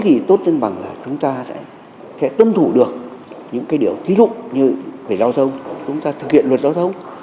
thì tốt hơn bằng là chúng ta sẽ tôn thủ được những cái điều thí lụng như phải giao thông chúng ta thực hiện luật giao thông